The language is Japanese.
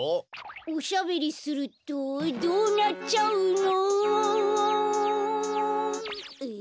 おしゃべりするとどうなっちゃうのおおおん。え？